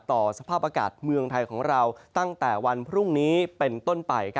สภาพอากาศเมืองไทยของเราตั้งแต่วันพรุ่งนี้เป็นต้นไป